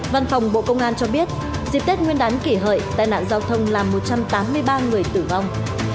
văn phòng bộ công an cho biết dịp tết nguyên đán kỷ hợi tai nạn giao thông làm một trăm tám mươi ba người tử vong